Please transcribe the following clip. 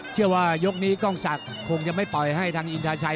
เชื่อว่ายกนี้กล้องศักดิ์คงจะไม่ปล่อยให้ทางอินทาชัย